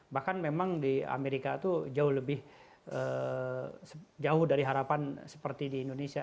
bahkan memang di amerika itu jauh lebih jauh dari harapan seperti di indonesia